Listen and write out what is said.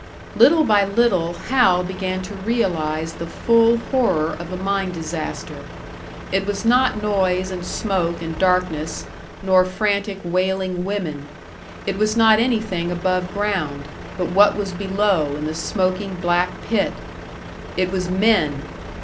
Little by little Hal began to realise the full horror of a mine disaster. It was not noise and smoke and darkness, nor frantic, wailing women; it was not anything above ground, but what was below in the smoking black pit! It was men!